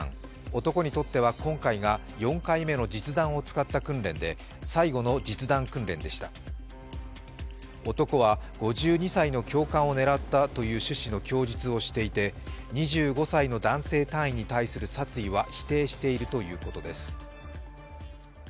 男にとっては今回が４回目の実弾を使った訓練で最後の実弾訓練でした男は５２歳の教官を狙ったという供述をしていて、２５歳の男性隊員に対する殺意は否定しているということです。